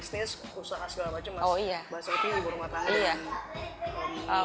jadi mas gibran soal bisnis usaha segala macam mas sety ibu rumah tangga dan